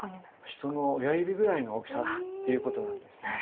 人の親指ぐらいの大きさっていうことなんですね。